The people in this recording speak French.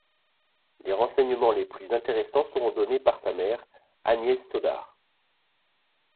Les renseignements les plus intéressants seront donnés par sa mère, Agnès Sodar.